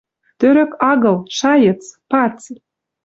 Тӧрӧк агыл, шайыц, пац: